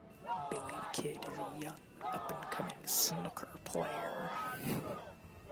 Billy the Kid is a young, up-and-coming snooker player.